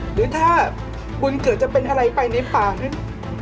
หรือถ้าคุณเกิดจะเป็นอะไรไปในป่านั้น